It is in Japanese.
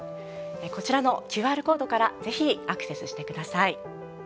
こちらのＱＲコードからぜひアクセスしてください。